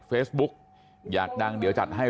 เฟซบุ๊กอยากดังเดี๋ยวจัดให้